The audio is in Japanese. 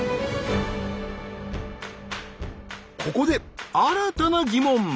ここで新たな疑問。